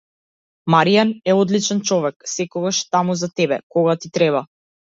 Марјан е одличен човек, секогаш е таму за тебе, кога ти треба.